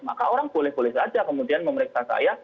maka orang boleh boleh saja kemudian memeriksa saya